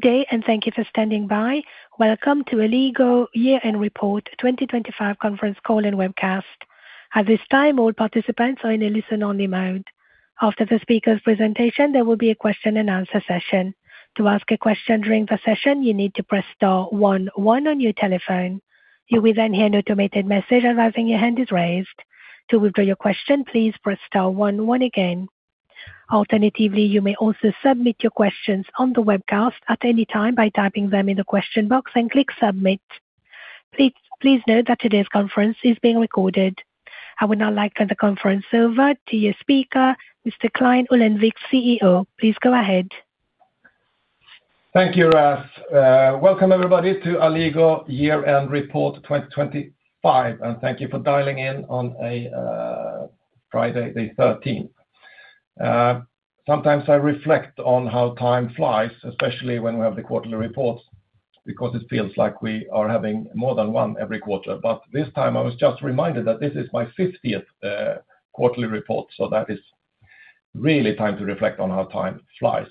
Good day, and thank you for standing by. Welcome to Alligo Year End Report 2025 Conference Call and Webcast. At this time, all participants are in a listen-only mode. After the speaker's presentation, there will be a question and answer session. To ask a question during the session, you need to press star one one on your telephone. You will then hear an automated message advising your hand is raised. To withdraw your question, please press star one one again. Alternatively, you may also submit your questions on the webcast at any time by typing them in the question box and click Submit. Please, please note that today's conference is being recorded. I would now like to hand the conference over to your speaker, Mr. Clein Johansson Ullenvik, CEO. Please go ahead. Thank you, Raz. Welcome, everybody, to Alligo Year End Report 2025, and thank you for dialing in on a Friday, the thirteenth. Sometimes I reflect on how time flies, especially when we have the quarterly reports, because it feels like we are having more than one every quarter. But this time, I was just reminded that this is my 50th quarterly report, so that is really time to reflect on how time flies.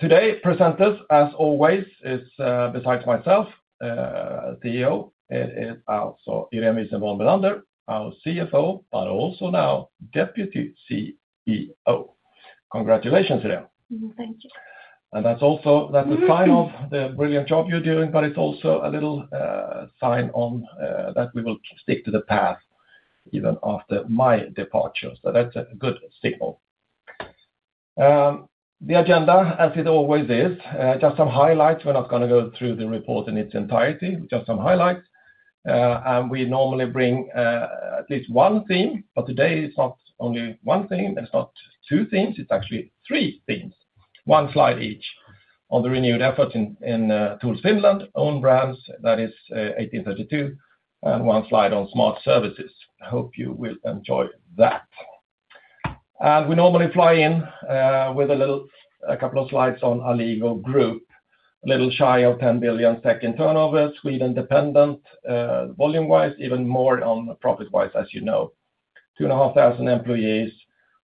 Today, presenters, as always, is, besides myself, CEO, it is also Irene Wisenborn Bellander, our CFO, but also now Deputy CEO. Congratulations, Irene. Thank you. That's also, that's a sign of the brilliant job you're doing, but it's also a little sign on that we will stick to the path even after my departure. So that's a good signal. The agenda, as it always is, just some highlights. We're not going to go through the report in its entirety, just some highlights. And we normally bring at least one theme, but today it's not only one theme, it's not two themes, it's actually three themes. One slide each on the renewed effort in TOOLS Finland, own brands, that is, 1832, and one slide on smart services. I hope you will enjoy that. We normally fly in with a little, a couple of slides on Alligo Group, a little shy of 10 billion in turnover, Sweden-dependent, volume-wise, even more on profit-wise, as you know. 2,500 employees,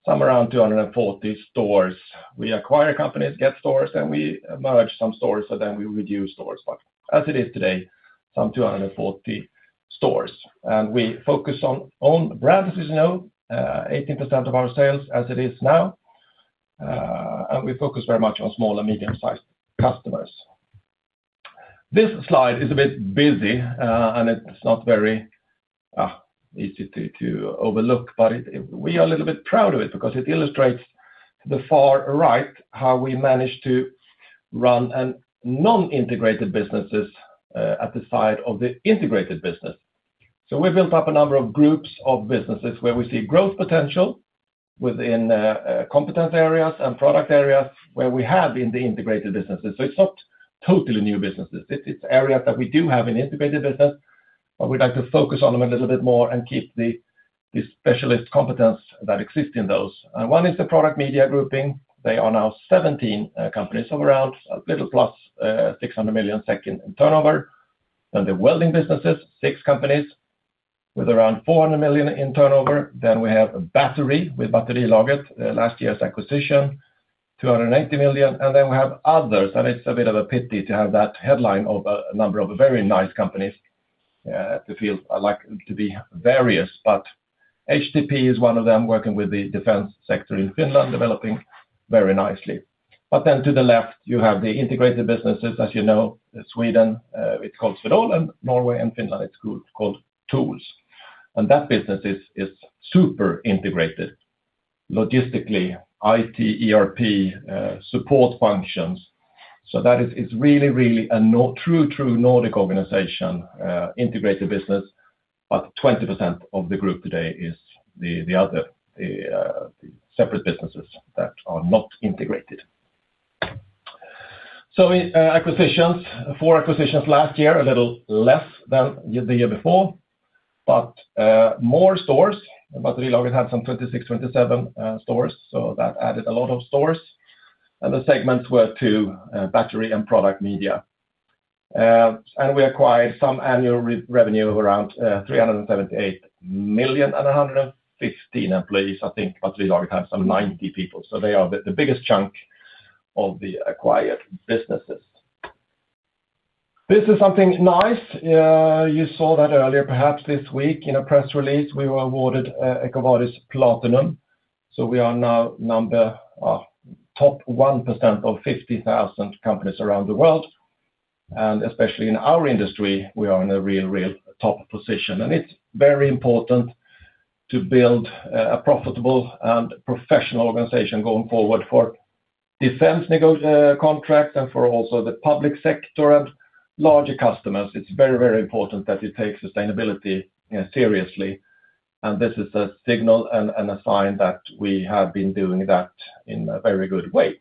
some around 240 stores. We acquire companies, get stores, and we merge some stores, so then we reduce stores. But as it is today, some 240 stores. And we focus on own brands, as you know, 18% of our sales as it is now. And we focus very much on small and medium-sized customers. This slide is a bit busy, and it's not very easy to overlook, but it—we are a little bit proud of it because it illustrates the far right, how we managed to run a non-integrated businesses at the side of the integrated business. So we built up a number of groups of businesses where we see growth potential within competence areas and product areas where we have in the integrated businesses. So it's not totally new businesses. It's areas that we do have in integrated business, but we'd like to focus on them a little bit more and keep the specialist competence that exist in those. And one is the Product Media grouping. They are now 17 companies, so around a little plus 600 million SEK in turnover. Then the welding businesses, six companies with around 400 million in turnover. Then we have a battery with Batterilagret, last year's acquisition, 280 million. And then we have others, and it's a bit of a pity to have that headline of a number of very nice companies, that we feel like to be various, but HTP is one of them, working with the defense sector in Finland, developing very nicely. But then to the left, you have the integrated businesses. As you know, in Sweden, it's called Swedol, and Norway and Finland, it's called, called TOOLS. And that business is, is super integrated logistically, IT, ERP, support functions. So that is, is really, really a true, true Nordic organization, integrated business. But 20% of the group today is the other, the separate businesses that are not integrated. So in acquisitions, four acquisitions last year, a little less than the year before, but more stores. Batterilagret had some 26, 27 stores, so that added a lot of stores. And the segments were two, battery and product media. And we acquired some annual revenue of around 378 million and 115 employees. I think Batterilagret have some 90 people, so they are the biggest chunk of the acquired businesses. This is something nice. You saw that earlier, perhaps this week in a press release, we were awarded EcoVadis Platinum. So we are now number top 1% of 50,000 companies around the world, and especially in our industry, we are in a real, real top position. And it's very important to build a profitable and professional organization going forward for defense contracts and for also the public sector and larger customers. It's very, very important that we take sustainability seriously, and this is a signal and a sign that we have been doing that in a very good way.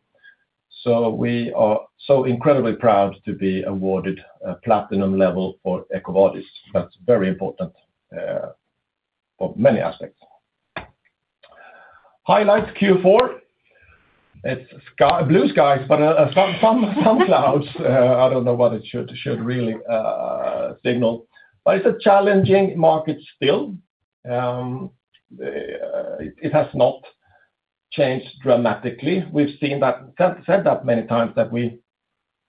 So we are so incredibly proud to be awarded a platinum level for EcoVadis. That's very important for many aspects. Highlights, Q4, it's sky-blue skies, but some clouds. I don't know what it should really signal, but it's a challenging market still. It has not changed dramatically. We've seen that, said that many times, that we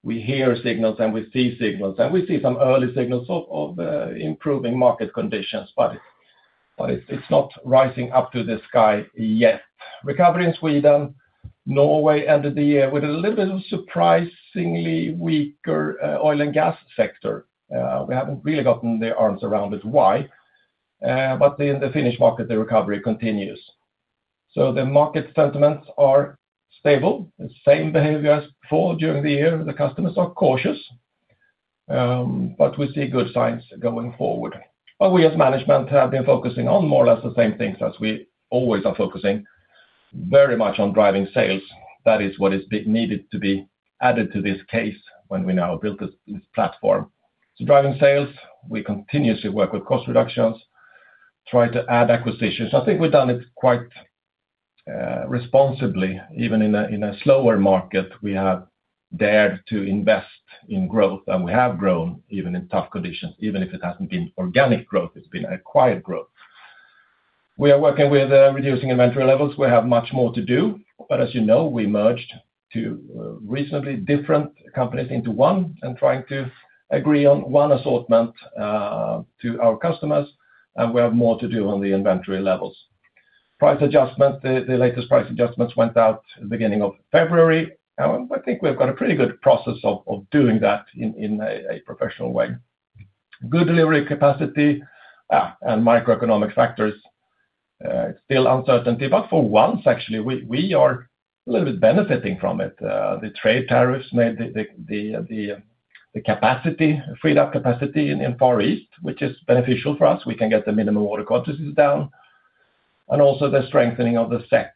hear signals, and we see signals, and we see some early signals of improving market conditions, but it's not rising up to the sky yet. Recovery in Sweden. Norway ended the year with a little bit of surprisingly weaker oil and gas sector. We haven't really gotten their arms around it, why? But in the Finnish market, the recovery continues. So the market sentiments are stable, the same behavior as before during the year. The customers are cautious, but we see good signs going forward. But we, as management, have been focusing on more or less the same things as we always are focusing, very much on driving sales. That is what is needed to be added to this case when we now built this platform. So driving sales, we continuously work with cost reductions, try to add acquisitions. I think we've done it quite responsibly. Even in a slower market, we have dared to invest in growth, and we have grown even in tough conditions, even if it hasn't been organic growth, it's been acquired growth. We are working with reducing inventory levels. We have much more to do, but as you know, we merged two recently different companies into one, and trying to agree on one assortment to our customers, and we have more to do on the inventory levels. Price adjustment, the latest price adjustments went out beginning of February, and I think we've got a pretty good process of doing that in a professional way. Good delivery capacity, and macroeconomic factors, still uncertainty, but for once, actually, we are a little bit benefiting from it. The trade tariffs made the capacity freed up capacity in Far East, which is beneficial for us. We can get the minimum order quantities down, and also the strengthening of the SEK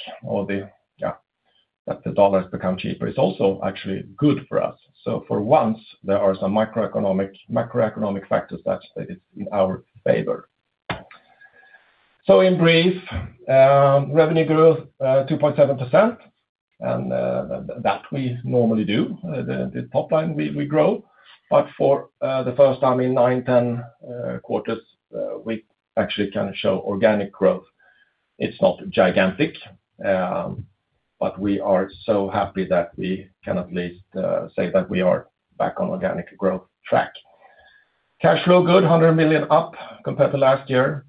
that the dollar has become cheaper is also actually good for us. So for once, there are some microeconomic, macroeconomic factors that is in our favor. So in brief, revenue grew 2.7%, and that we normally do. The top line, we grow, but for the first time in nine, ten quarters, we actually can show organic growth. It's not gigantic, but we are so happy that we can at least say that we are back on organic growth track. Cash flow good, 100 million up compared to last year,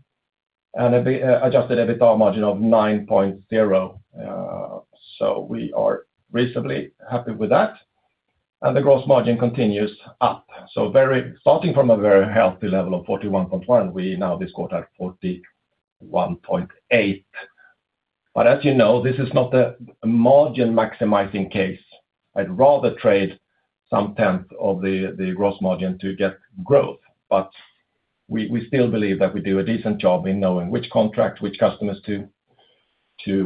and an adjusted EBITDA margin of 9.0%. So we are reasonably happy with that, and the gross margin continues up. Starting from a very healthy level of 41.1%, we now this quarter are 41.8%. But as you know, this is not a margin-maximizing case. I'd rather trade some tenth of the gross margin to get growth, but we still believe that we do a decent job in knowing which contract, which customers to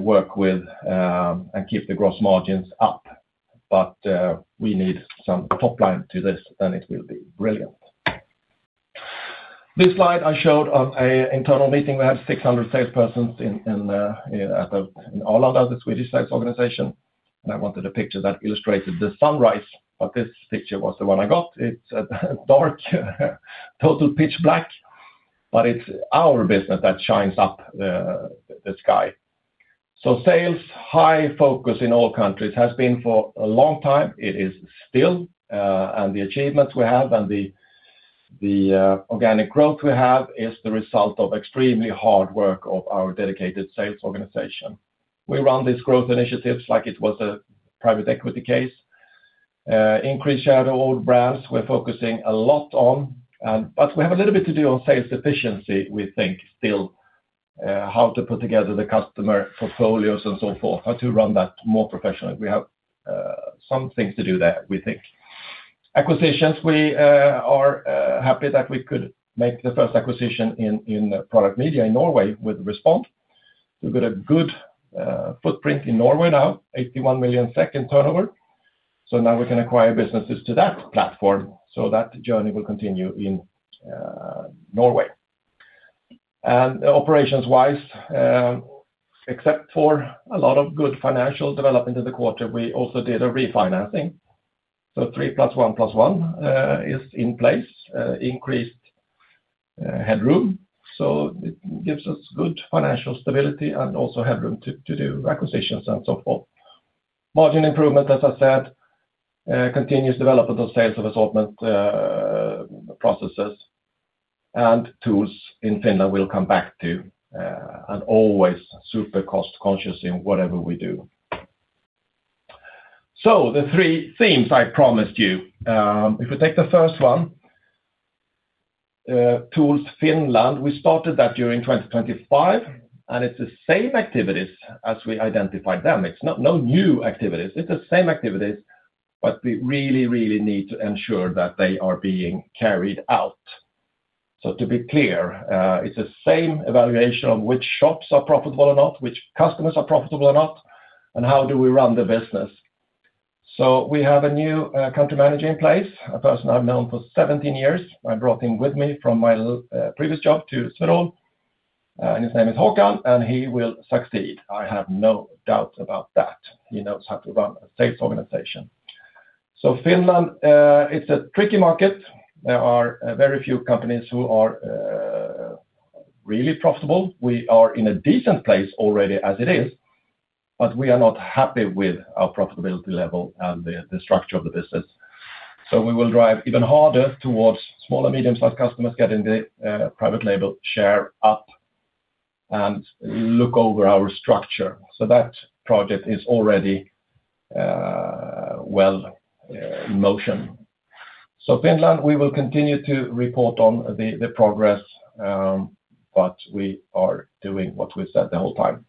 work with, and keep the gross margins up, but we need some top line to this, and it will be brilliant. This slide I showed on an internal meeting. We have 600 salespersons in all of the Swedish sales organization, and I wanted a picture that illustrated the sunrise, but this picture was the one I got. It's a dark, total pitch black, but it's our business that shines up the sky. So sales, high focus in all countries, has been for a long time. It is still, and the achievements we have and the organic growth we have is the result of extremely hard work of our dedicated sales organization. We run these growth initiatives like it was a private equity case. Increase share to own brands, we're focusing a lot on, and but we have a little bit to do on sales efficiency, we think, still, how to put together the customer portfolios and so forth, how to run that more professionally. We have some things to do there, we think. Acquisitions, we are happy that we could make the first acquisition in product media in Norway with Response. We've got a good footprint in Norway now, 81 million turnover, so now we can acquire businesses to that platform, so that journey will continue in Norway. Operations-wise, except for a lot of good financial development in the quarter, we also did a refinancing. So 3 + 1 + 1 is in place, increased headroom, so it gives us good financial stability and also headroom to do acquisitions and so forth. Margin improvement, as I said, continuous development of sales of assortment, processes and TOOLS in Finland we'll come back to, and always super cost-conscious in whatever we do. So the three themes I promised you. If we take the first one, TOOLS Finland, we started that during 2025, and it's the same activities as we identified them. It's not no new activities, it's the same activities, but we really, really need to ensure that they are being carried out. So to be clear, it's the same evaluation on which shops are profitable or not, which customers are profitable or not, and how do we run the business. So we have a new country manager in place, a person I've known for 17 years. I brought him with me from my previous job to Swedol, and his name is Håkan, and he will succeed. I have no doubts about that. He knows how to run a sales organization. So Finland, it's a tricky market. There are very few companies who are really profitable. We are in a decent place already as it is, but we are not happy with our profitability level and the structure of the business. So we will drive even harder towards small and medium-sized customers, getting the private label share up, and look over our structure. So that project is already well in motion. So Finland, we will continue to report on the progress, but we are doing what we've said the whole time.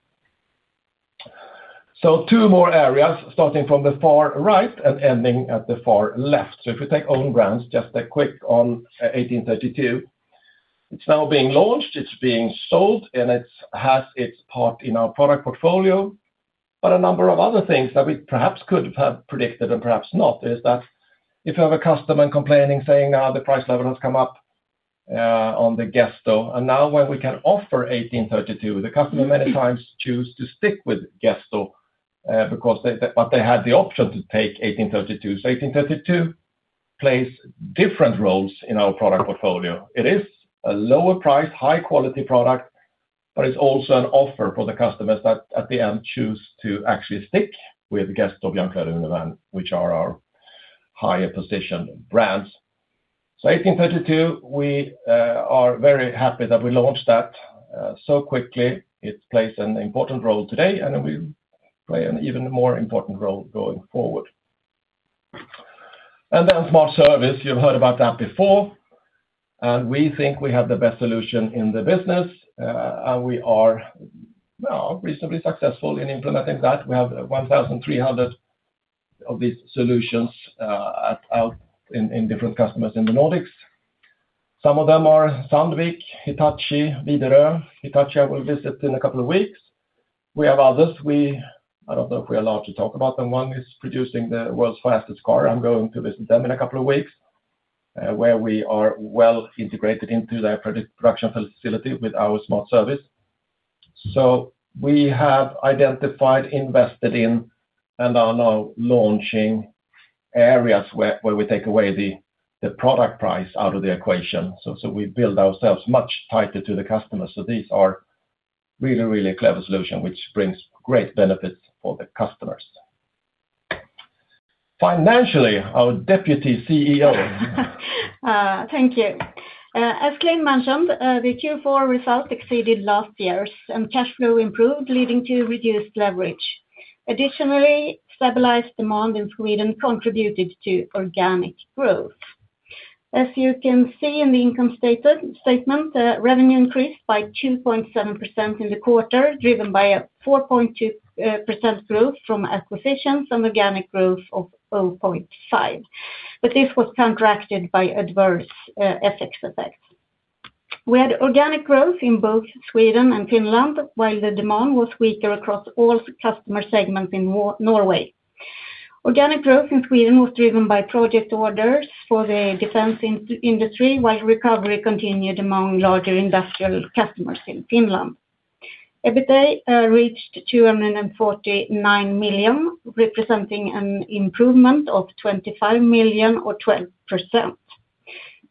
So two more areas, starting from the far right and ending at the far left. So if we take own brands, just a quick on 1832. It's now being launched, it's being sold, and it has its part in our product portfolio. But a number of other things that we perhaps could have predicted, and perhaps not, is that if you have a customer complaining, saying, "Ah, the price level has come up," on the Gesto, and now when we can offer 1832, the customer many times choose to stick with Gesto, because they, but they had the option to take 1832. So 1832 plays different roles in our product portfolio. It is a lower price, high quality product, but it's also an offer for the customers that at the end choose to actually stick with Gesto, Björnkläder, and Univern, which are our higher positioned brands. So 1832, we are very happy that we launched that so quickly. It plays an important role today, and will play an even more important role going forward. And then Smart Service, you've heard about that before, and we think we have the best solution in the business, and we are now reasonably successful in implementing that. We have 1,300 of these solutions at out in different customers in the Nordics. Some of them are Sandvik, Hitachi, Widerøe. Hitachi, I will visit in a couple of weeks. We have others. I don't know if we are allowed to talk about them. One is producing the world's fastest car. I'm going to visit them in a couple of weeks, where we are well integrated into their product production facility with our Smart Service. So we have identified, invested in, and are now launching areas where we take away the product price out of the equation. So we build ourselves much tighter to the customer. So these are really, really clever solution, which brings great benefits for the customers. Financially, our deputy CEO. Thank you. As Claes mentioned, the Q4 results exceeded last year's, and cash flow improved, leading to reduced leverage. Additionally, stabilized demand in Sweden contributed to organic growth. As you can see in the income statement, the revenue increased by 2.7% in the quarter, driven by a 4.2% growth from acquisitions and organic growth of 0.5%. But this was counteracted by adverse FX effects. We had organic growth in both Sweden and Finland, while the demand was weaker across all customer segments in Norway. Organic growth in Sweden was driven by project orders for the defense industry, while recovery continued among larger industrial customers in Finland. EBITA reached 249 million, representing an improvement of 25 million or 12%. The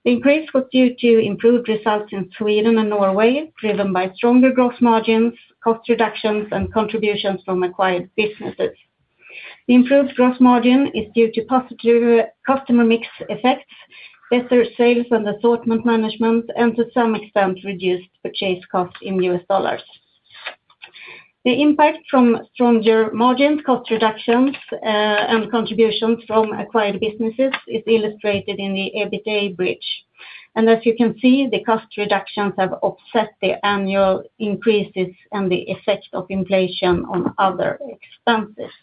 increase was due to improved results in Sweden and Norway, driven by stronger growth margins, cost reductions, and contributions from acquired businesses. The improved growth margin is due to positive customer mix effects, better sales and assortment management, and to some extent, reduced purchase costs in U.S. dollars. The impact from stronger margins, cost reductions, and contributions from acquired businesses is illustrated in the EBITA bridge. As you can see, the cost reductions have offset the annual increases and the effect of inflation on other expenses.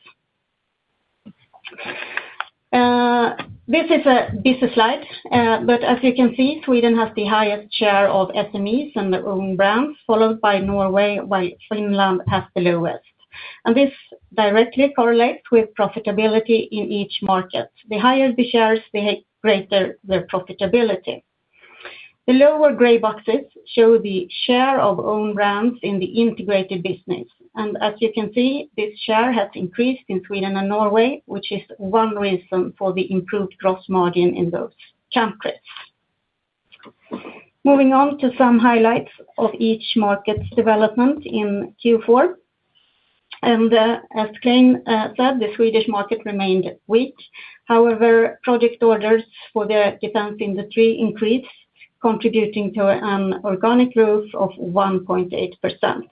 This is a busy slide, but as you can see, Sweden has the highest share of SMEs and their own brands, followed by Norway, while Finland has the lowest. This directly correlates with profitability in each market. The higher the shares, the greater their profitability. The lower gray boxes show the share of own brands in the integrated business, and as you can see, this share has increased in Sweden and Norway, which is one reason for the improved gross margin in both countries. Moving on to some highlights of each market's development in Q4, and, as Clein said, the Swedish market remained weak. However, project orders for the defense industry increased, contributing to an organic growth of 1.8%.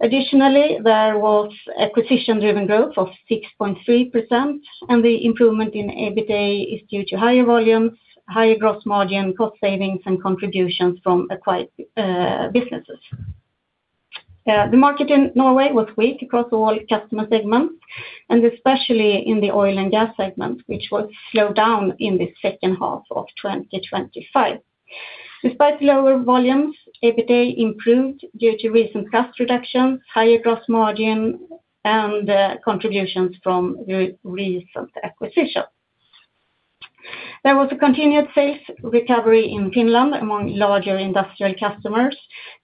Additionally, there was acquisition-driven growth of 6.3%, and the improvement in EBITA is due to higher volumes, higher gross margin, cost savings, and contributions from acquired businesses. The market in Norway was weak across all customer segments, and especially in the oil and gas segment, which was slowed down in the second half of 2025. Despite lower volumes, EBITA improved due to recent cost reductions, higher gross margin, and contributions from recent acquisitions. There was a continued safe recovery in Finland among larger industrial customers.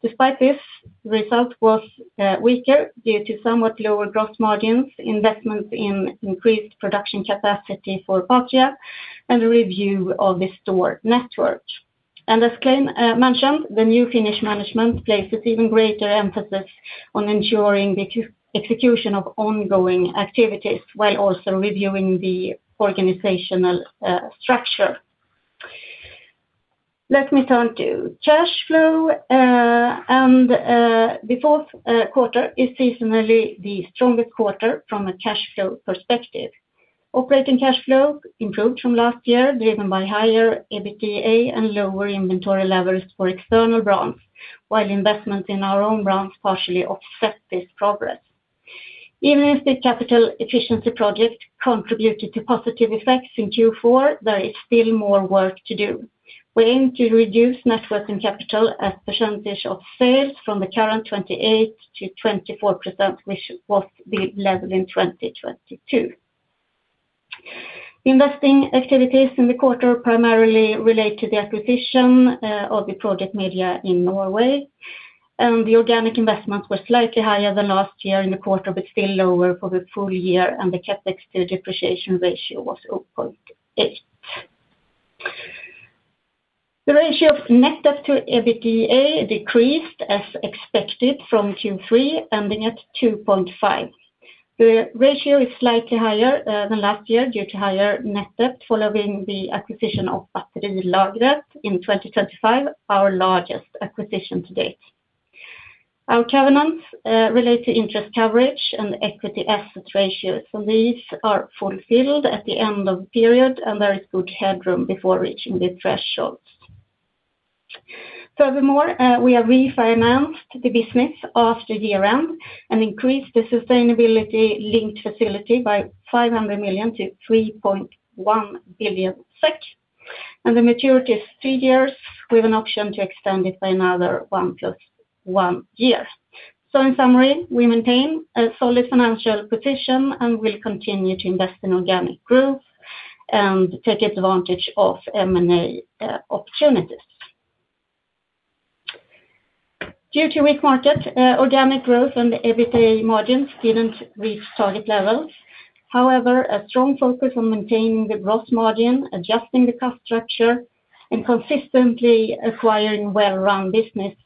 Despite this, the result was weaker due to somewhat lower growth margins, investments in increased production capacity for Patria, and a review of the store network. As Clein mentioned, the new Finnish management places even greater emphasis on ensuring the execution of ongoing activities, while also reviewing the organizational structure. Let me turn to cash flow, and the fourth quarter is seasonally the strongest quarter from a cash flow perspective. Operating cash flow improved from last year, driven by higher EBITDA and lower inventory levels for external brands, while investment in our own brands partially offset this progress. Even if the capital efficiency project contributed to positive effects in Q4, there is still more work to do. We aim to reduce net working capital as percentage of sales from the current 28% to 24%, which was the level in 2022. Investing activities in the quarter primarily relate to the acquisition of the Product Media in Norway, and the organic investment was slightly higher than last year in the quarter, but still lower for the full year, and the CapEx to depreciation ratio was 0.8. The ratio of net debt to EBITDA decreased as expected from Q3, ending at 2.5. The ratio is slightly higher than last year due to higher net debt, following the acquisition of Batterilagret in 2025, our largest acquisition to date. Our covenants relate to interest coverage and equity asset ratios, and these are fulfilled at the end of the period, and there is good headroom before reaching the thresholds. Furthermore, we have refinanced the business after year-end and increased the sustainability-linked facility by 500 million to 3.1 billion SEK, and the maturity is three years, with an option to extend it by another 1 + 1 year. So in summary, we maintain a solid financial position and will continue to invest in organic growth and take advantage of M&A opportunities. Due to weak market, organic growth and the EBITDA margins didn't reach target levels. However, a strong focus on maintaining the growth margin, adjusting the cost structure, and consistently acquiring well-run businesses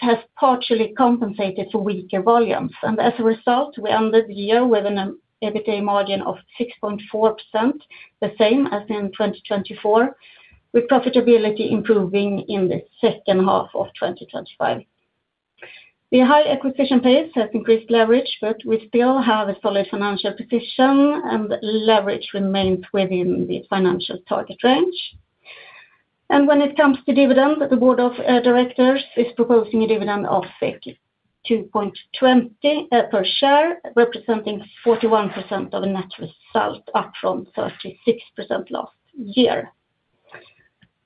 has partially compensated for weaker volumes. As a result, we ended the year with an EBITDA margin of 6.4%, the same as in 2024, with profitability improving in the second half of 2025. The high acquisition pace has increased leverage, but we still have a solid financial position, and leverage remains within the financial target range. When it comes to dividend, the board of directors is proposing a dividend of 2.20 per share, representing 41% of the net result, up from 36% last year.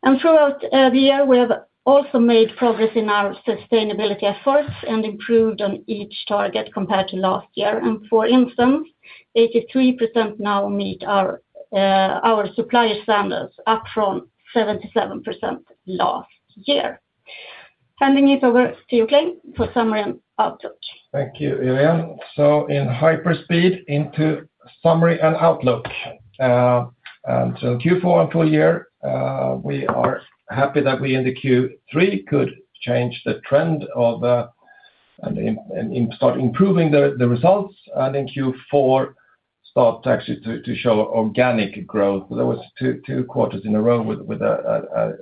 Throughout the year, we have also made progress in our sustainability efforts and improved on each target compared to last year. For instance, 83% now meet our supplier standards, up from 77% last year. Handing it over to you, Clein, for summary and outlook. Thank you, Irene. So in hyperspeed into summary and outlook. And so Q4 and full year, we are happy that we in the Q3 could change the trend and start improving the results, and in Q4, start actually to show organic growth. There was two quarters in a row with a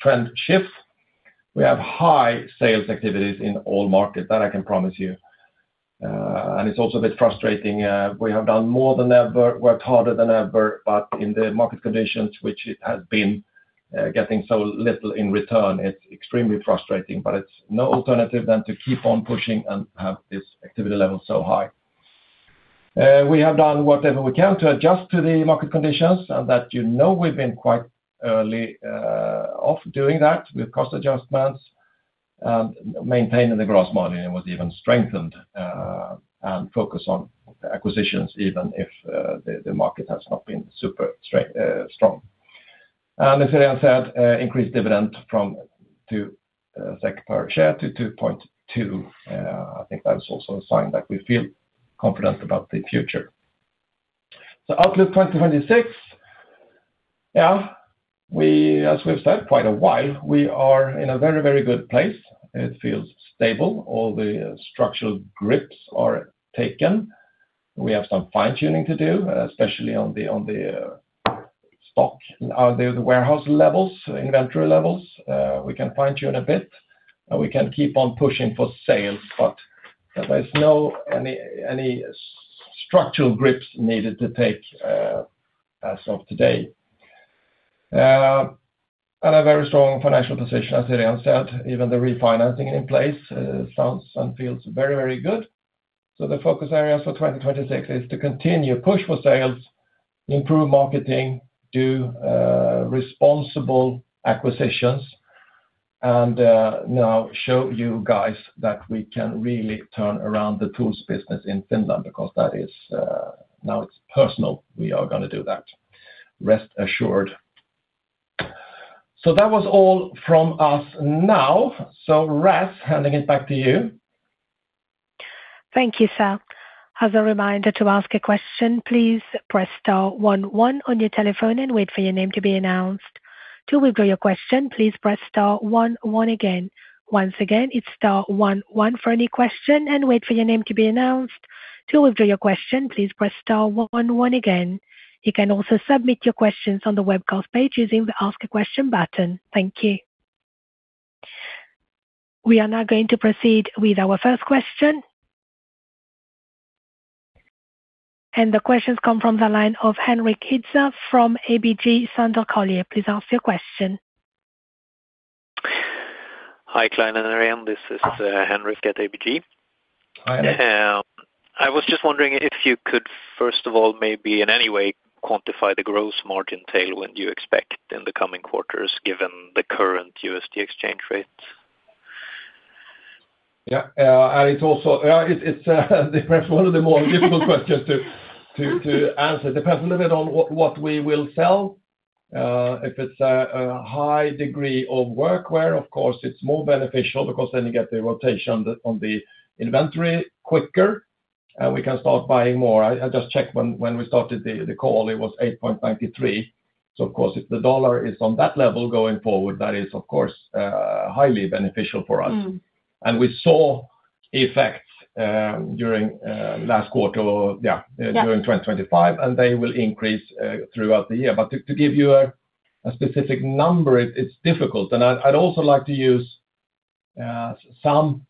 trend shift. We have high sales activities in all markets, that I can promise you. And it's also a bit frustrating, we have done more than ever, worked harder than ever, but in the market conditions, which it has been, getting so little in return, it's extremely frustrating, but it's no alternative than to keep on pushing and have this activity level so high. We have done whatever we can to adjust to the market conditions, and that you know we've been quite early off doing that with cost adjustments, maintaining the gross margin, and was even strengthened, and focus on acquisitions, even if the market has not been super strong. As I said, increased dividend from to SEK per share to 2.2. I think that is also a sign that we feel confident about the future. Outlook 2026, yeah, we, as we've said quite a while, we are in a very, very good place. It feels stable. All the structural grips are taken. We have some fine-tuning to do, especially on the stock, the warehouse levels, inventory levels. We can fine-tune a bit, and we can keep on pushing for sales, but there's no any, any structural grips needed to take, as of today. And a very strong financial position, as Irene said, even the refinancing in place, sounds and feels very, very good. So the focus areas for 2026 is to continue push for sales, improve marketing, do responsible acquisitions... and now show you guys that we can really turn around the tools business in Finland, because that is, now it's personal. We are gonna do that. Rest assured. So that was all from us now. So Raz, handing it back to you. Thank you, sir. As a reminder to ask a question, please press star one one on your telephone and wait for your name to be announced. To withdraw your question, please press star one one again. Once again, it's star one one for any question and wait for your name to be announced. To withdraw your question, please press star one one again. You can also submit your questions on the webcast page using the Ask a Question button. Thank you. We are now going to proceed with our first question. And the questions come from the line of Henrik Sæle from ABG Sundal Collier. Please ask your question. Hi, Clein and Irene, this is Henrik at ABG. Hi. I was just wondering if you could, first of all, maybe in any way quantify the gross margin tailwind you expect in the coming quarters, given the current USD exchange rate? Yeah, and it's also, it's perhaps one of the more difficult questions to answer. Depends a little bit on what we will sell. If it's a high degree of work wear, of course, it's more beneficial because then you get the rotation on the inventory quicker, and we can start buying more. I just checked when we started the call, it was 8.93. So of course, if the dollar is on that level going forward, that is, of course, highly beneficial for us. Mm. We saw effects during last quarter. Yeah... during 2025, and they will increase throughout the year. But to give you a specific number, it's difficult. And I'd also like to use some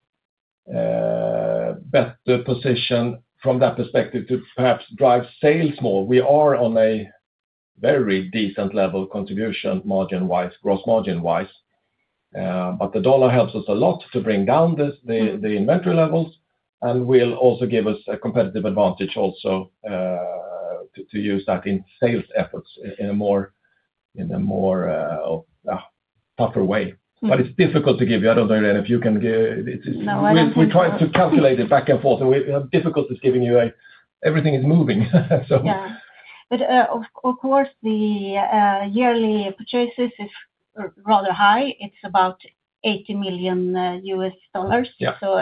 better position from that perspective to perhaps drive sales more. We are on a very decent level contribution, margin-wise, gross margin-wise. But the US dollar helps us a lot to bring down the inventory levels, and will also give us a competitive advantage to use that in sales efforts in a more tougher way. Mm. It's difficult to give you. I don't know, Irene, if you can give, No, I don't think so. We tried to calculate it back and forth, and we have difficulties giving you a... Everything is moving. So. Yeah. But, of course, the yearly purchases is, are rather high. It's about $80 million. Yeah. So,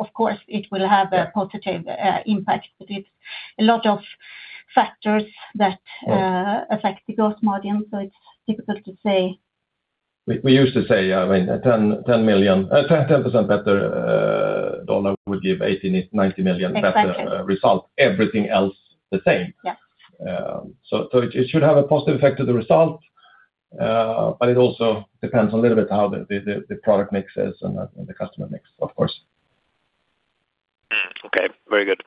of course, it will have- Yeah... a positive impact. But it's a lot of factors that, Yeah... affect the growth margin, so it's difficult to say. We used to say, I mean, 10 million, 10% better dollar would give 80-90 million- Exactly... better result. Everything else the same. Yeah. So it should have a positive effect to the result, but it also depends a little bit how the product mix is and the customer mix, of course. Okay, very good.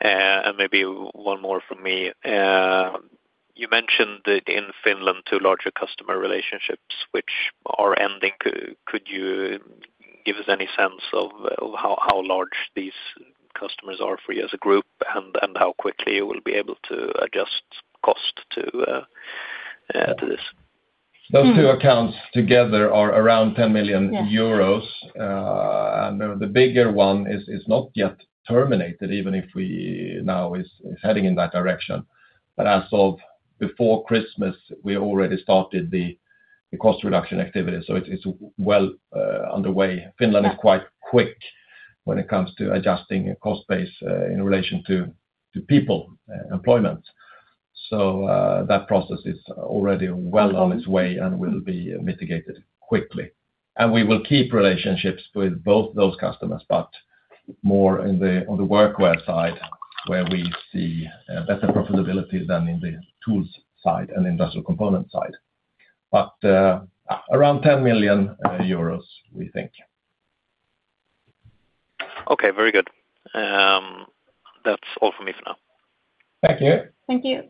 And maybe one more from me. You mentioned that in Finland, two larger customer relationships which are ending. Could you give us any sense of how large these customers are for you as a group, and how quickly you will be able to adjust cost to this? Mm. Those two accounts together are around 10 million euros. Yeah. And the bigger one is not yet terminated, even if we now is heading in that direction. But as of before Christmas, we already started the cost reduction activity, so it's well underway. Yeah. Finland is quite quick when it comes to adjusting a cost base in relation to people employment. So that process is already well on its way and will be mitigated quickly. And we will keep relationships with both those customers, but more in the on the workwear side, where we see better profitability than in the tools side and industrial component side. But around 10 million euros, we think. Okay, very good. That's all from me for now. Thank you. Thank you.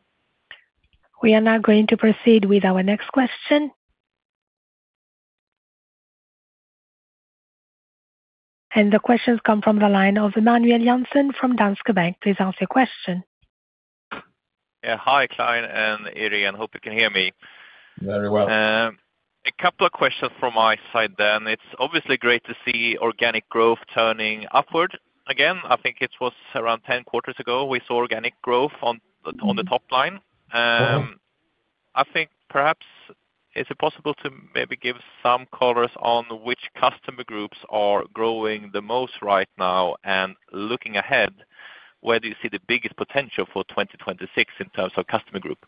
We are now going to proceed with our next question. The questions come from the line of Emmanuel Hasbanian from Deutsche Bank. Please ask your question. Yeah, hi, Clein and Irene. Hope you can hear me. Very well. A couple of questions from my side then. It's obviously great to see organic growth turning upward again. I think it was around 10 quarters ago, we saw organic growth on the- Mm-hmm... on the top line. I think perhaps, is it possible to maybe give some colors on which customer groups are growing the most right now? And looking ahead, where do you see the biggest potential for 2026 in terms of customer group?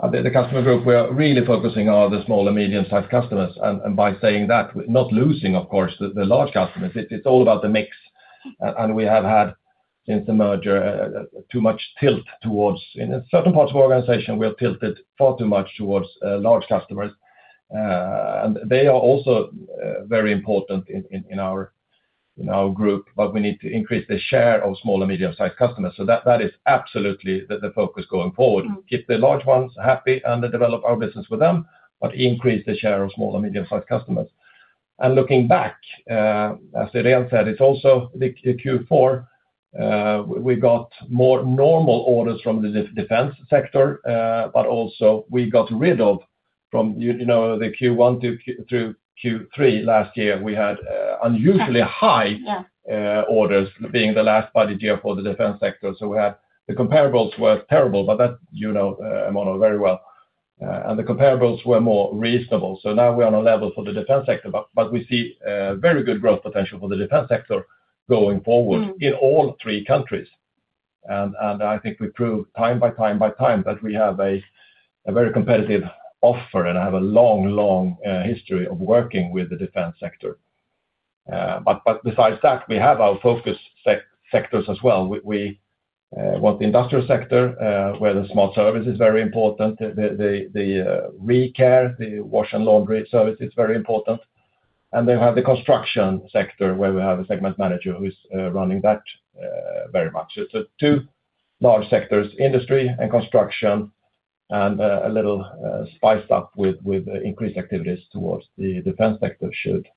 The customer group, we are really focusing on the small and medium-sized customers. And by saying that, we're not losing, of course, the large customers. It's all about the mix. And we have had, since the merger, too much tilt towards... In certain parts of our organization, we have tilted far too much towards large customers. And they are also very important in our group, but we need to increase the share of small and medium-sized customers. So that is absolutely the focus going forward. Mm. Keep the large ones happy and develop our business with them, but increase the share of small and medium-sized customers. Looking back, as Irene said, it's also the Q4. We got more normal orders from the defense sector, but also we got rid of from, you know, the Q1 to Q3 last year, we had unusually high- Yeah Orders being the last budget year for the defense sector. So we had the comparables were terrible, but that, you know, Emmanuel very well. And the comparables were more reasonable. So now we're on a level for the defense sector, but, but we see very good growth potential for the defense sector going forward- Mm. in all three countries. And I think we proved time after time that we have a very competitive offer, and I have a long history of working with the defense sector. But besides that, we have our focus sectors as well. We want the industrial sector, where the Smart Service is very important. The ReCare, the wash and laundry service, is very important. And then we have the construction sector, where we have a segment manager who is running that very much. So two large sectors, industry and construction, and a little spiced up with increased activities towards the defense sector should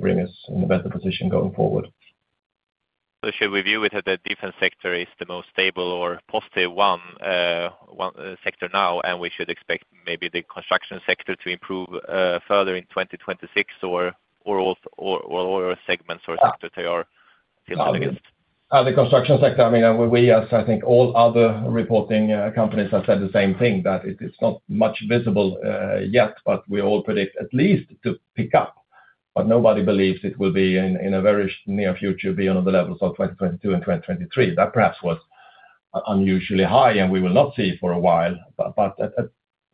bring us in a better position going forward. So should we view it that the defense sector is the most stable or positive one sector now, and we should expect maybe the construction sector to improve further in 2026 or all segments or sectors they are still negative? The construction sector, I mean, we, as I think, all other reporting companies have said the same thing, that it is not much visible yet, but we all predict at least to pick up. But nobody believes it will be in a very near future on the levels of 2022 and 2023. That perhaps was unusually high, and we will not see for a while. But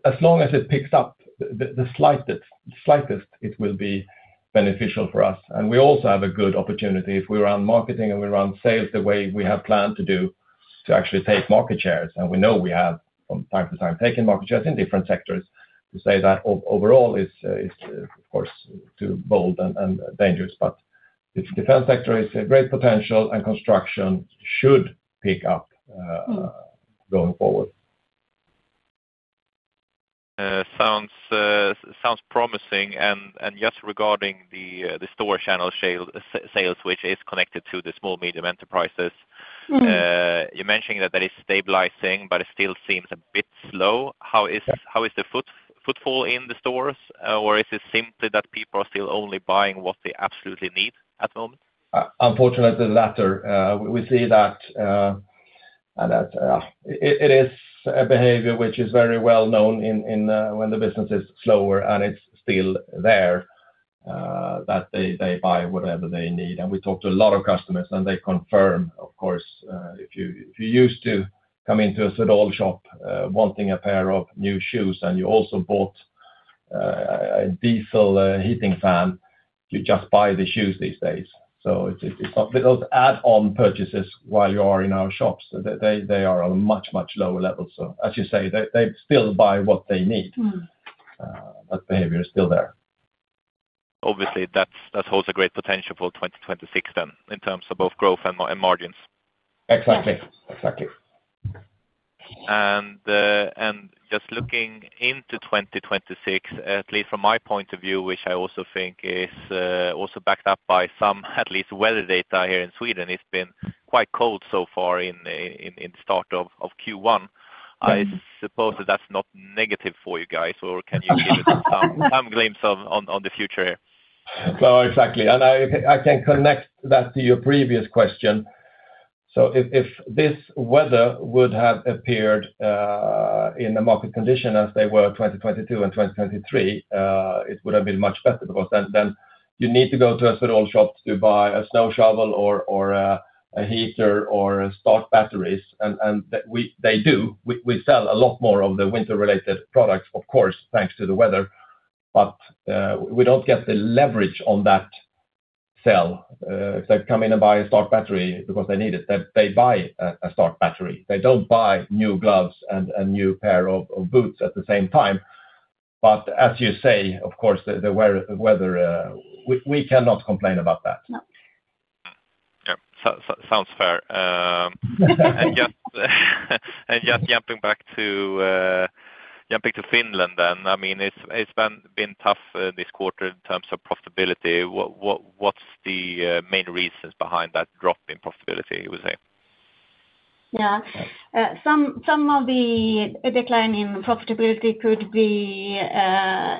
as long as it picks up the slightest, it will be beneficial for us. And we also have a good opportunity. If we run marketing and we run sales the way we have planned to do, to actually take market shares, and we know we have from time to time taken market shares in different sectors. To say that overall is, of course, too bold and dangerous. But this defense sector is a great potential, and construction should pick up. Mm... going forward. Sounds promising. Just regarding the store channel sales, which is connected to the small medium enterprises. Mm-hmm. You mentioned that that is stabilizing, but it still seems a bit slow. How is- Yeah... how is the footfall in the stores? Or is it simply that people are still only buying what they absolutely need at the moment? Unfortunately, the latter. We see that, and that, it is a behavior which is very well known in, when the business is slower, and it's still there, that they, they buy whatever they need. And we talk to a lot of customers, and they confirm, of course, if you, if you used to come into a Swedol shop, wanting a pair of new shoes, and you also bought, a diesel, heating fan, you just buy the shoes these days. So it's, it's, those add-on purchases while you are in our shops, they, they are on much, much lower levels. So as you say, they, they still buy what they need. Mm. That behavior is still there. Obviously, that holds a great potential for 2026 then, in terms of both growth and margins. Exactly. Yes. Exactly. Just looking into 2026, at least from my point of view, which I also think is also backed up by some, at least, weather data here in Sweden, it's been quite cold so far in start of Q1. Mm. I suppose that's not negative for you guys, or can you give me some glimpse on the future? Well, exactly, and I can connect that to your previous question. So if this weather would have appeared in the market condition as they were in 2022 and 2023, it would have been much better because then you need to go to a Swedol shop to buy a snow shovel or a heater or start batteries, and they do. We sell a lot more of the winter-related products, of course, thanks to the weather, but we don't get the leverage on that sale. If they come in and buy a start battery because they need it, they buy a start battery. They don't buy new gloves and a new pair of boots at the same time. But as you say, of course, the weather, we cannot complain about that. No. Mm. Yep, so sounds fair. And just jumping back to Finland then. I mean, it's been tough this quarter in terms of profitability. What's the main reasons behind that drop in profitability, you would say? Yeah. Some of the decline in profitability could be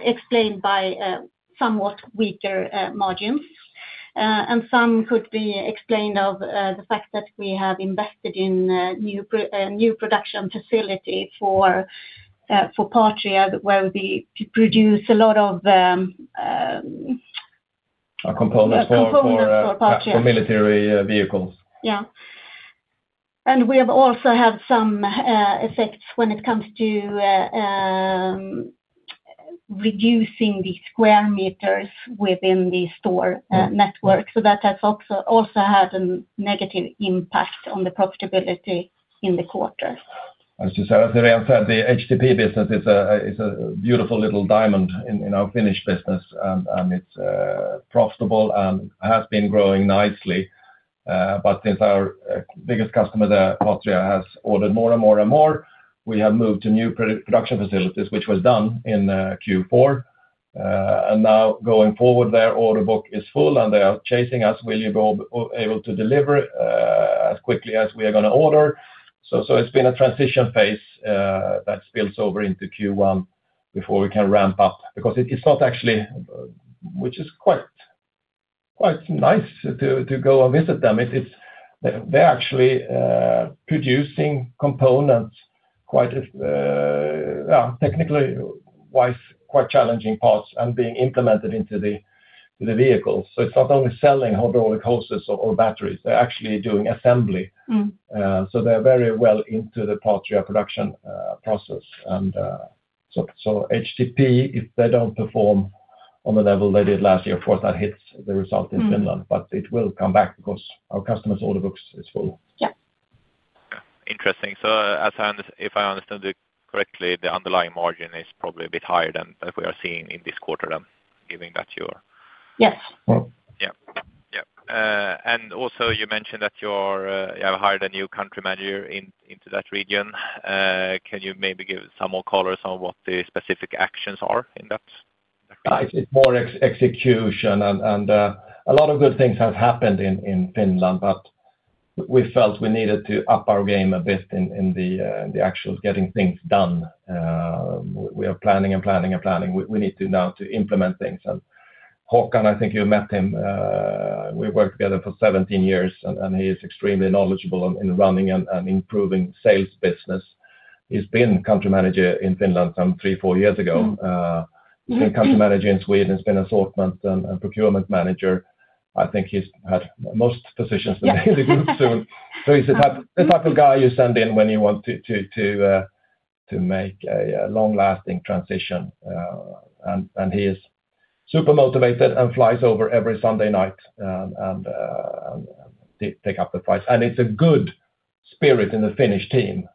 explained by somewhat weaker margins. And some could be explained of the fact that we have invested in new production facility for Patria, where we produce a lot of Our components for- components for Patria... for military vehicles. Yeah. And we have also had some effects when it comes to reducing the square meters within the store network. So that has also had a negative impact on the profitability in the quarter. As you said, as Irene said, the HTP business is a beautiful little diamond in our Finnish business, and it's profitable and has been growing nicely. But since our biggest customer there, Patria, has ordered more and more and more, we have moved to new production facilities, which was done in Q4, and now going forward, their order book is full, and they are chasing us: will you go able to deliver as quickly as we are going to order? So it's been a transition phase that spills over into Q1 before we can ramp up, because it's not actually, which is quite nice to go and visit them. They're actually producing components quite yeah, technically wise, quite challenging parts and being implemented into the vehicles. It's not only selling hydraulic hoses or batteries, they're actually doing assembly. Mm. So they're very well into the production process. And so HTP, if they don't perform on the level they did last year, of course, that hits the result in Finland- Mm. But it will come back because our customers' order books is full. Yeah. Interesting. So if I understand it correctly, the underlying margin is probably a bit higher than we are seeing in this quarter then, given that you're- Yes. Yeah. Yeah. And also you mentioned that you're, you have hired a new country manager in, into that region. Can you maybe give some more color on what the specific actions are in that? It's more execution and a lot of good things have happened in Finland, but we felt we needed to up our game a bit in the actual getting things done. We are planning and planning and planning. We need now to implement things. And Hakan, I think you met him, we worked together for 17 years, and he is extremely knowledgeable in running and improving sales business. He's been country manager in Finland some three, four years ago. Mm-hmm. He's been country manager in Sweden. He's been assortment and procurement manager. I think he's had most positions in the group soon. So he's the type of guy you send in when you want to make a long-lasting transition. And he is super motivated and flies over every Sunday night and take up the price. And it's a good spirit in the Finnish team.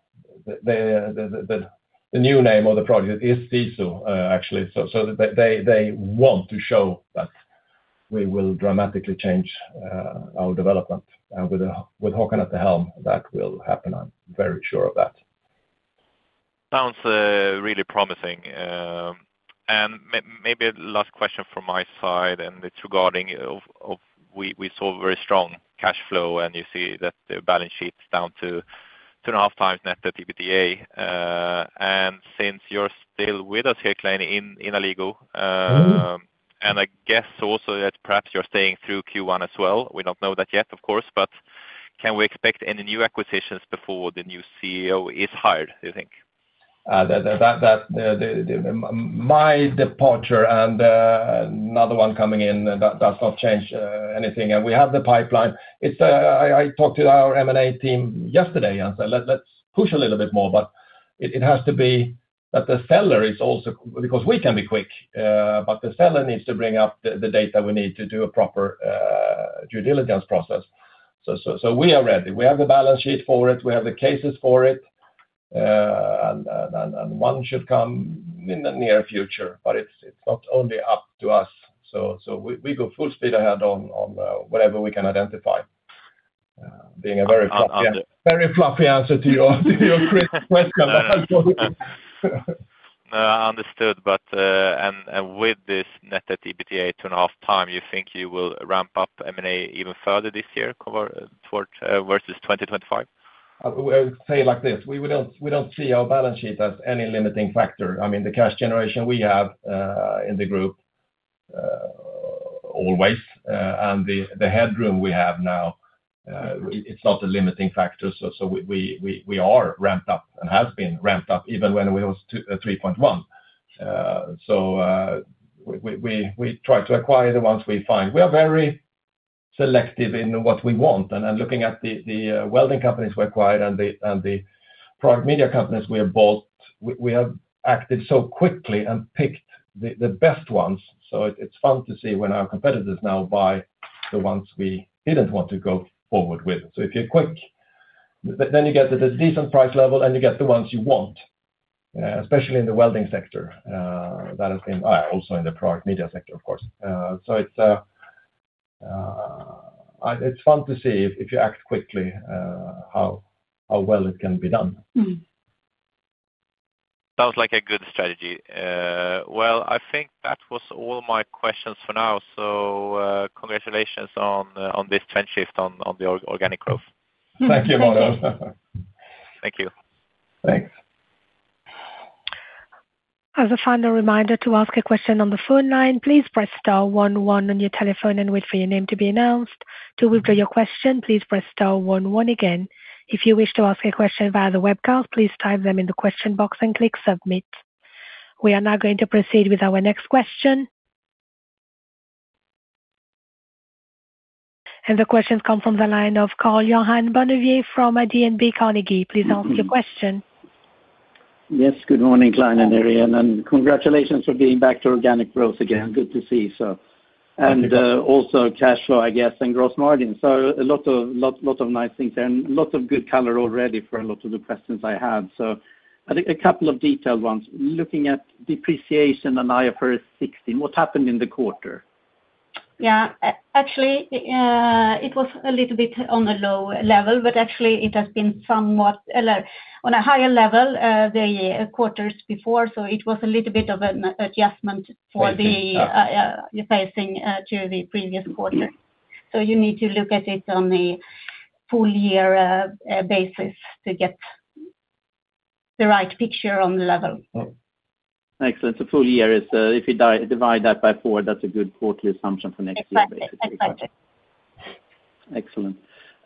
The new name of the project is Sisu, actually, so they want to show that we will dramatically change our development. And with Hakan at the helm, that will happen. I'm very sure of that. Sounds really promising. And maybe last question from my side, and it's regarding of we saw very strong cash flow, and you see that the balance sheet's down to 2.5x net debt to EBITDA. And since you're still with us here, Clein, in Alligo. Mm-hmm. I guess also that perhaps you're staying through Q1 as well. We don't know that yet, of course, but can we expect any new acquisitions before the new CEO is hired, do you think? My departure and another one coming in, that does not change anything. And we have the pipeline. It's I talked to our M&A team yesterday, and I said, "Let's push a little bit more," but it has to be that the seller is also... Because we can be quick, but the seller needs to bring up the data we need to do a proper due diligence process. So we are ready. We have the balance sheet for it, we have the cases for it, and one should come in the near future, but it's not only up to us. So we go full speed ahead on whatever we can identify, being a very fluffy- Yeah. Very fluffy answer to your great question. No, understood. But with this net to EBITDA 2.5x, you think you will ramp up M&A even further this year or toward 2025? I would say like this, we don't see our balance sheet as any limiting factor. I mean, the cash generation we have in the group always, and the headroom we have now, it's not a limiting factor. So we are ramped up and have been ramped up even when we was 2.31. So we try to acquire the ones we find. We are very selective in what we want, and then looking at the welding companies we acquired and the product media companies we have bought, we have acted so quickly and picked the best ones. So it's fun to see when our competitors now buy the ones we didn't want to go forward with. So if you're quick, then you get at a decent price level, and you get the ones you want, especially in the welding sector that has been also in the product media sector, of course. So it's fun to see if you act quickly, how well it can be done. Mm. Sounds like a good strategy. Well, I think that was all my questions for now. Congratulations on this trend shift on the organic growth. Thank you, Emmanuel. Thank you. Thanks. As a final reminder to ask a question on the phone line, please press star one one on your telephone and wait for your name to be announced. To withdraw your question, please press star one one again. If you wish to ask a question via the webcast, please type them in the question box and click Submit. We are now going to proceed with our next question. The question comes from the line of Karl-Johan Bonnevier from DNB Carnegie. Please ask your question. Yes, good morning, Clein and Irene, and congratulations for being back to organic growth again. Good to see you, so. Thank you. Also cash flow, I guess, and gross margin. So a lot of nice things there and lots of good color already for a lot of the questions I had. So I think a couple of detailed ones. Looking at depreciation and IFRS 16, what happened in the quarter? ... Yeah, actually, it was a little bit on the low level, but actually it has been somewhat lower, on a higher level, the quarters before, so it was a little bit of an adjustment for the facing to the previous quarter. So you need to look at it on the full year basis to get the right picture on the level. Excellent. So full year is, if you divide that by four, that's a good quarterly assumption for next year? Exactly, exactly. Excellent.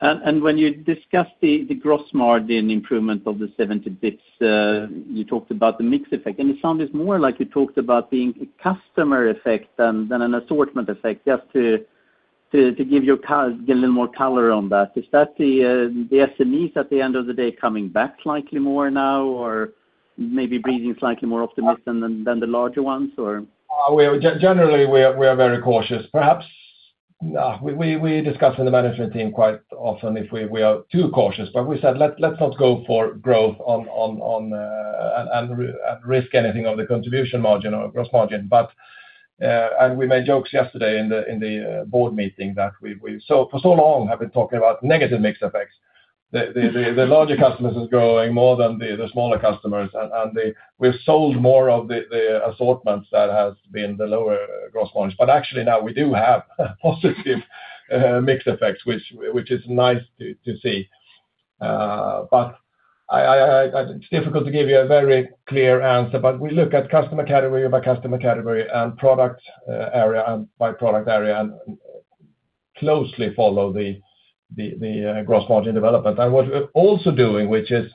And when you discussed the gross margin improvement of 70 basis points, you talked about the mix effect, and it sounded more like you talked about the customer effect than an assortment effect. Just to give a little more color on that. Is that the SMEs at the end of the day coming back slightly more now or maybe breathing slightly more optimism than the larger ones, or? Generally, we are very cautious. Perhaps, we discuss in the management team quite often if we are too cautious, but we said, let's not go for growth and risk anything on the contribution margin or gross margin. But, we made jokes yesterday in the board meeting that we so for so long have been talking about negative mix effects. The larger customers is growing more than the smaller customers, and they... We've sold more of the assortments that has been the lower gross margins. But actually, now we do have positive mix effects, which is nice to see. But it's difficult to give you a very clear answer, but we look at customer category by customer category and product area and by product area, and closely follow the gross margin development. And what we're also doing, which is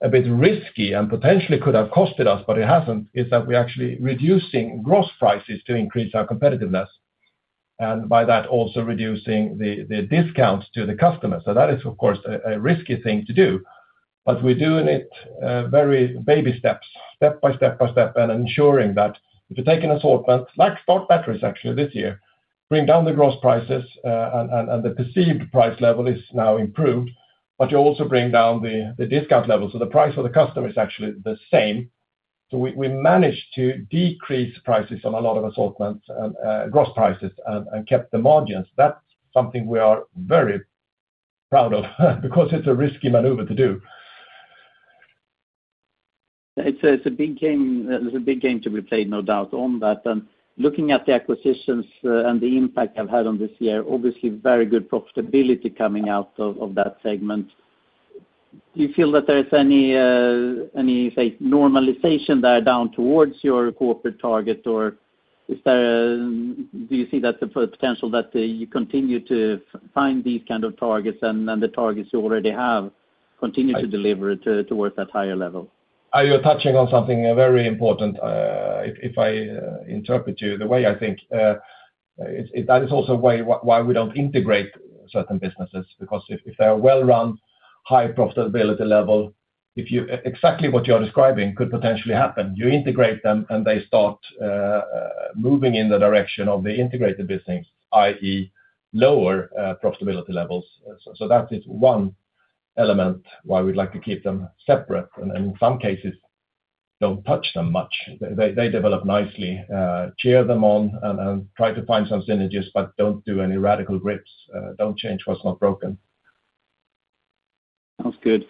a bit risky and potentially could have costed us, but it hasn't, is that we're actually reducing gross prices to increase our competitiveness, and by that also reducing the discounts to the customers. So that is, of course, a risky thing to do, but we're doing it very baby steps, step by step by step, and ensuring that if you take an assortment, like stock batteries actually this year, bring down the gross prices, and the perceived price level is now improved, but you also bring down the discount level, so the price for the customer is actually the same. So we managed to decrease prices on a lot of assortments and gross prices and kept the margins. That's something we are very proud of, because it's a risky maneuver to do. It's a big game, it's a big game to be played, no doubt on that. Looking at the acquisitions and the impact they've had on this year, obviously very good profitability coming out of that segment. Do you feel that there is any normalization there down towards your corporate target? Or do you see the potential that you continue to find these kind of targets and the targets you already have continue to deliver towards that higher level? You're touching on something very important. If I interpret you the way I think, that is also why we don't integrate certain businesses, because if they are well run, high profitability level, if you... Exactly what you're describing could potentially happen. You integrate them, and they start moving in the direction of the integrated business, i.e. lower profitability levels. So that is one element why we'd like to keep them separate, and in some cases, don't touch them much. They develop nicely, cheer them on and try to find some synergies, but don't do any radical grips. Don't change what's not broken. Sounds good.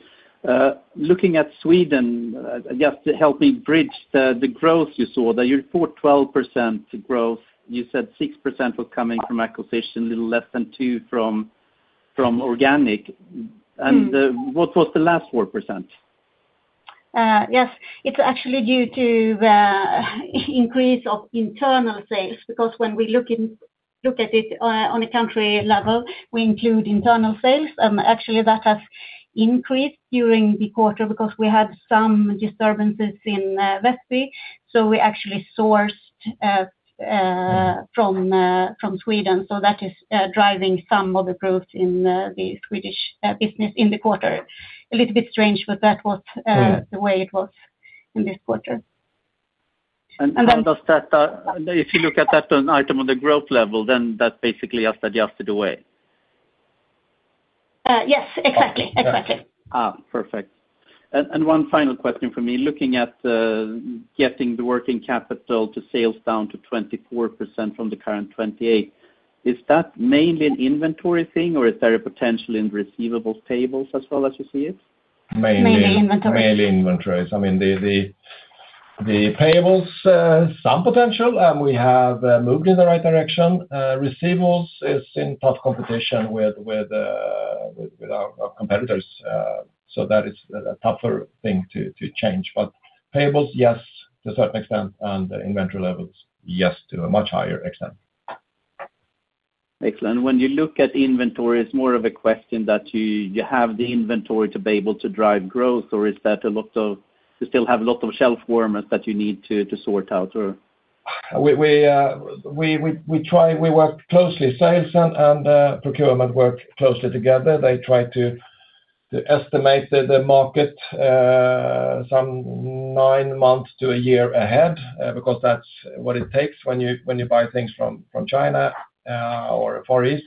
Looking at Sweden, just to help me bridge the growth you saw that you report 12% growth. You said 6% was coming from acquisition, little less than 2% from organic. Mm-hmm. What was the last 4%? Yes, it's actually due to the increase of internal sales, because when we look at it on a country level, we include internal sales, and actually that has increased during the quarter because we had some disturbances in Vestby, so we actually sourced from Sweden. So that is driving some of the growth in the Swedish business in the quarter. A little bit strange, but that was- Yeah... the way it was in this quarter. And does that, if you look at that item on the growth level, then that basically has adjusted away? Yes, exactly. Exactly. Ah, perfect. And one final question for me. Looking at getting the working capital to sales down to 24% from the current 28, is that mainly an inventory thing, or is there a potential in receivables payables as well as you see it? Mainly- Mainly inventory... Mainly inventories. I mean, the payables, some potential, and we have moved in the right direction. Receivables is in tough competition with our competitors, so that is a tougher thing to change. But payables, yes, to a certain extent, and the inventory levels, yes, to a much higher extent. Excellent. When you look at inventory, it's more of a question that you have the inventory to be able to drive growth, or is that a lot of, you still have a lot of shelf warmers that you need to sort out or? We work closely, sales and procurement work closely together. They try to estimate the market some nine months to a year ahead, because that's what it takes when you buy things from China or Far East.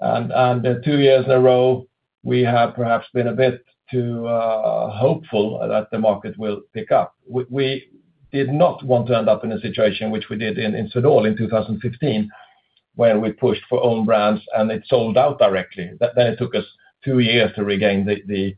And two years in a row, we have perhaps been a bit too hopeful that the market will pick up. We did not want to end up in a situation which we did in Swedol in 2015, where we pushed for own brands, and it sold out directly. That then it took us two years to regain the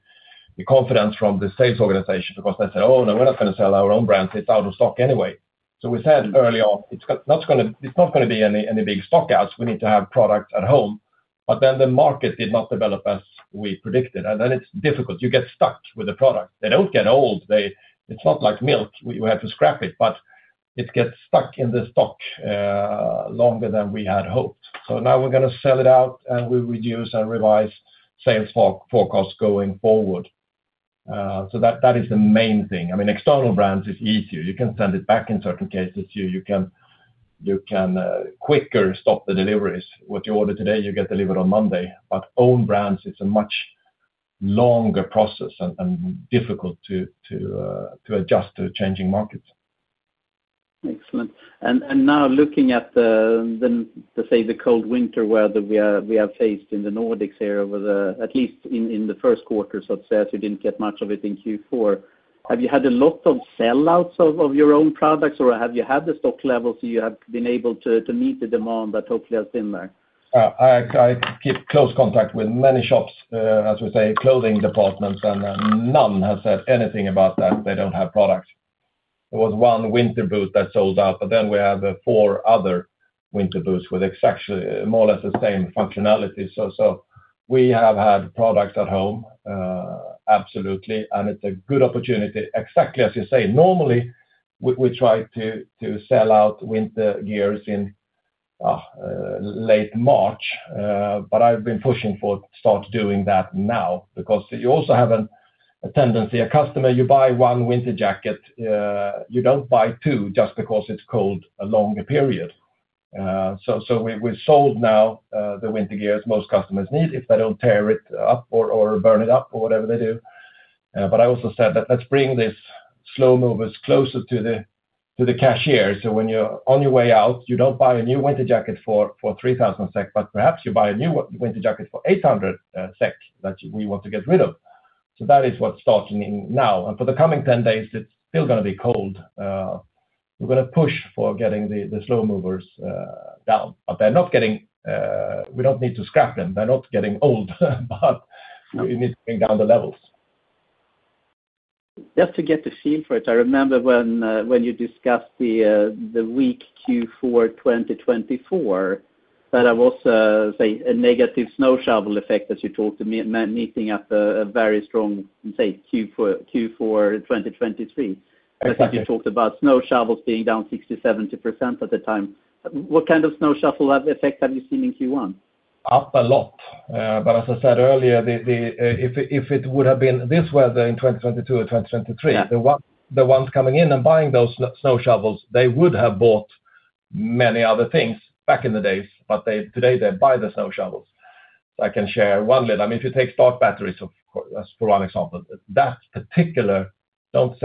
confidence from the sales organization, because they said: "Oh, no, we're not going to sell our own brands. It's out of stock anyway." So we said early on, it's not gonna be any, any big stock outs. We need to have product at home, but then the market did not develop as we predicted, and then it's difficult. You get stuck with the product. They don't get old. It's not like milk, where you have to scrap it, but it gets stuck in the stock longer than we had hoped. So now we're gonna sell it out, and we reduce and revise sales forecasts going forward. So that, that is the main thing. I mean, external brands, it's easier. You can send it back in certain cases, you can quicker stop the deliveries. What you order today, you get delivered on Monday, but own brands, it's a much longer process and difficult to adjust to the changing markets. Excellent. And now looking at the cold winter weather we have faced in the Nordics here, at least in the first quarter, so to say, as you didn't get much of it in Q4. Have you had a lot of sellouts of your own products, or have you had the stock levels so you have been able to meet the demand that hopefully has been there? I keep close contact with many shops, as we say, clothing departments, and none have said anything about that they don't have products. There was one winter boot that sold out, but then we have four other winter boots with exactly, more or less the same functionality. So we have had products at home, absolutely, and it's a good opportunity, exactly as you say. Normally, we try to sell out winter gears in late March, but I've been pushing to start doing that now, because you also have a tendency, a customer, you buy one winter jacket, you don't buy two just because it's cold for a longer period. So we sold now the winter gears most customers need, if they don't tear it up or burn it up or whatever they do. But I also said that let's bring these slow movers closer to the cashier, so when you're on your way out, you don't buy a new winter jacket for 3,000 SEK, but perhaps you buy a new winter jacket for 800 SEK that we want to get rid of. So that is what's starting now. And for the coming 10 days, it's still gonna be cold. We're gonna push for getting the slow movers down, but they're not getting... We don't need to scrap them. They're not getting old, but we need to bring down the levels. Just to get a feel for it, I remember when, when you discussed the, the weak Q4 2024, that I was, say, a negative snow shovel effect, as you talked to me, meeting up a, a very strong, say, Q4, Q4 2023. Exactly. As you talked about snow shovels being down 60%-70% at the time. What kind of snow shovel effect have you seen in Q1? Up a lot. But as I said earlier, if it would have been this weather in 2022 or 2023- Yeah... the one, the ones coming in and buying those snow shovels, they would have bought many other things back in the days, but they, today, they buy the snow shovels. I can share one little, I mean, if you take start batteries, of course, as for one example, that particular, don't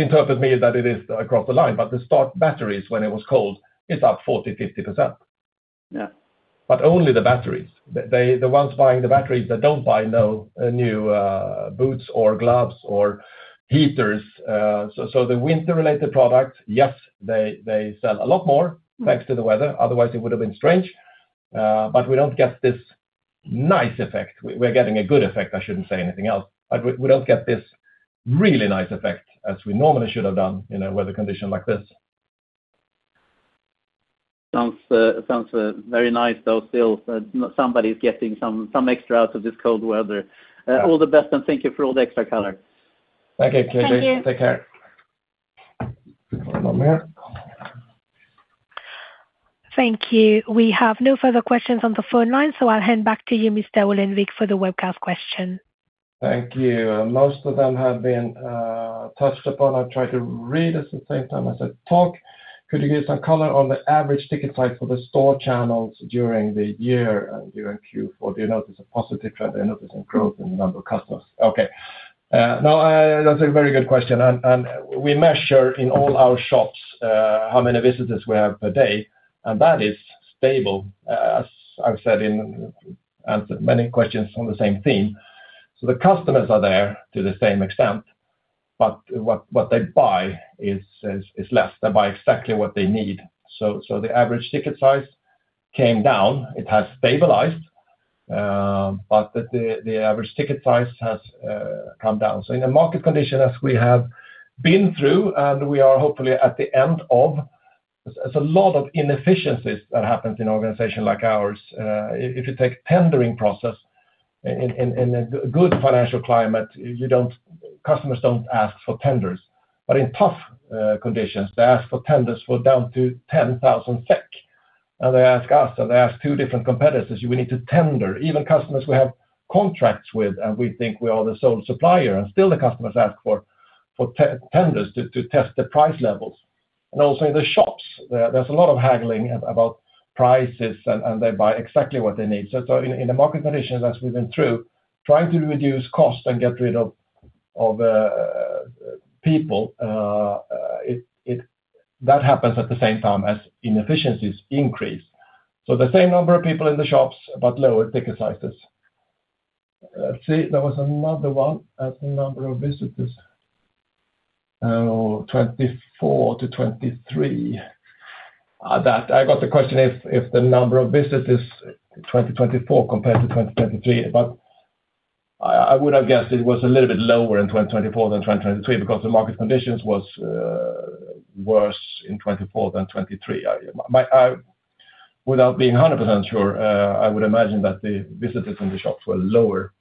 interpret me that it is across the line, but the start batteries, when it was cold, is up 40%-50%. Yeah. But only the batteries. They, the ones buying the batteries, they don't buy no new boots or gloves or heaters. So, so the winter-related products, yes, they, they sell a lot more- Yeah ... thanks to the weather. Otherwise, it would have been strange, but we don't get this nice effect. We're getting a good effect, I shouldn't say anything else, but we, we don't get this really nice effect as we normally should have done in a weather condition like this. Sounds very nice, though still, somebody's getting some extra out of this cold weather. Yeah. All the best, and thank you for all the extra color. Thank you. Thank you. Take care. One more here. Thank you. We have no further questions on the phone line, so I'll hand back to you, Mr. Ullenvik, for the webcast question. Thank you. Most of them have been touched upon. I've tried to read at the same time as I talk. Could you give some color on the average ticket price for the store channels during the year and during Q4? Do you notice a positive trend? Do you notice a growth in the number of customers? Okay, no, that's a very good question, and we measure in all our shops how many visitors we have per day, and that is stable, as I've said, I've answered many questions on the same theme. So the customers are there to the same extent, but what they buy is less. They buy exactly what they need. So the average ticket size came down. It has stabilized, but the average ticket size has come down. So in a market condition, as we have been through, and we are hopefully at the end of, there's a lot of inefficiencies that happens in organization like ours. If you take tendering process in a good financial climate, you don't—customers don't ask for tenders, but in tough conditions, they ask for tenders for down to 10,000 SEK, and they ask us, and they ask two different competitors, we need to tender. Even customers we have contracts with, and we think we are the sole supplier, and still the customers ask for tenders to test the price levels. And also in the shops, there, there's a lot of haggling about prices, and they buy exactly what they need. So in the market conditions, as we've been through, trying to reduce cost and get rid of people, it that happens at the same time as inefficiencies increase. So the same number of people in the shops, but lower ticket sizes. Let's see, there was another one at the number of visitors, 2024 to 2023. That I got the question, if the number of visitors in 2024 compared to 2023, but I would have guessed it was a little bit lower in 2024 than 2023 because the market conditions was worse in 2024 than 2023. Without being 100% sure, I would imagine that the visitors in the shops were lower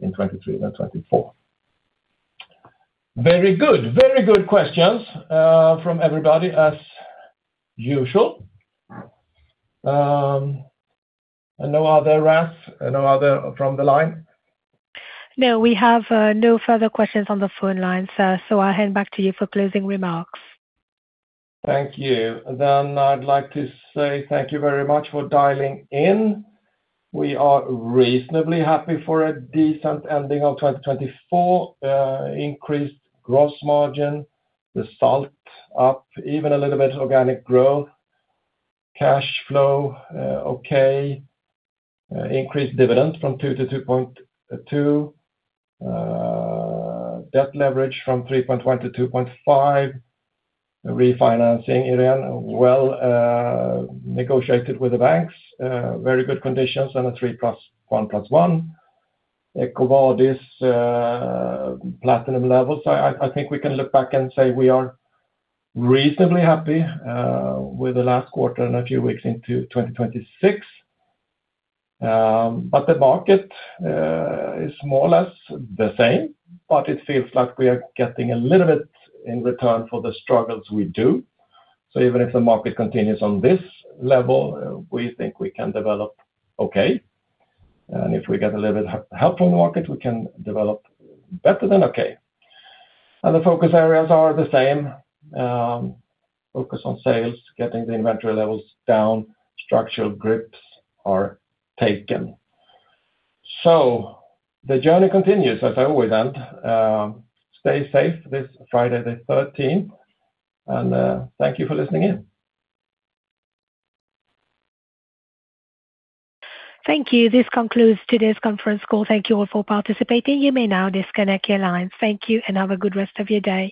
in 2023 than 2024. Very good. Very good questions from everybody as usual. And no other, Raf? No other from the line? No, we have no further questions on the phone line, sir, so I'll hand back to you for closing remarks. Thank you. Then I'd like to say thank you very much for dialing in. We are reasonably happy for a decent ending of 2024, increased gross margin, sales up, even a little bit organic growth, cash flow, okay, increased dividend from 2 to 2.2 SEK, debt leverage from 3.1 to 2.5. Refinancing again, well, negotiated with the banks, very good conditions and a 3 + 1 + 1. EcoVadis, platinum level. So I, I think we can look back and say we are reasonably happy, with the last quarter and a few weeks into 2026. But the market, is more or less the same, but it feels like we are getting a little bit in return for the struggles we do. So even if the market continues on this level, we think we can develop okay, and if we get a little bit help from the market, we can develop better than okay. The focus areas are the same, focus on sales, getting the inventory levels down, structural grips are taken. The journey continues, as I always end, stay safe this Friday, the thirteenth, and thank you for listening in. Thank you. This concludes today's conference call. Thank you all for participating. You may now disconnect your lines. Thank you, and have a good rest of your day.